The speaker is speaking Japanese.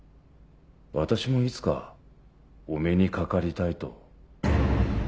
「私もいつかお目にかかりたい」と。